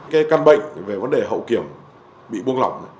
cái căn bệnh về vấn đề hậu kiểm bị buông lỏng